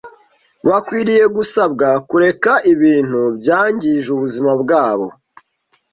Bakwiriye gusabwa kureka ibintu byangije ubuzima bwabo